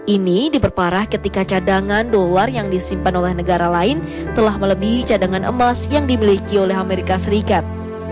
ini diperparah ketika cadangan dolar yang disimpan oleh negara lain telah melebihi cadangan emas yang dimiliki oleh amerika serikat